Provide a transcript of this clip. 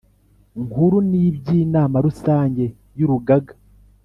Nkuru n iby Inama Rusange y Urugaga